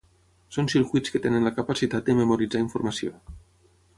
Són circuits que tenen la capacitat de memoritzar informació.